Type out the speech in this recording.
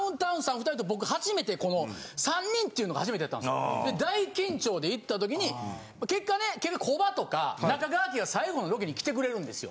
２人と僕初めてこの３人っていうのが初めてやったんですよ。で大緊張で行った時に結果ねコバとか中川家が最後のロケに来てくれるんですよ。